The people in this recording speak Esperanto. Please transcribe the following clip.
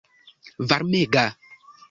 varmega